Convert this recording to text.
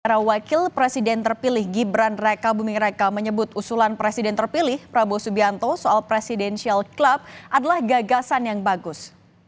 era wakil presiden terpilih gibran raka buming raka menyebut usulan presiden terpilih prabowo subianto soal presidensial club adalah gagasan yang bagus